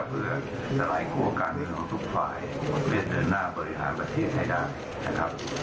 เพื่อสลายกลัวการตรงทุกฝ่ายให้เสด็จหน้าบริฐานประเทศให้ได้นะครับ